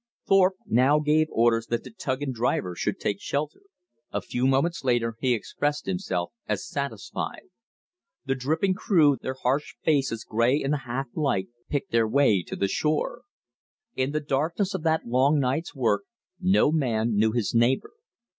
Thorpe now gave orders that the tug and driver should take shelter. A few moments later he expressed himself as satisfied. The dripping crew, their harsh faces gray in the half light, picked their way to the shore. In the darkness of that long night's work no man knew his neighbor.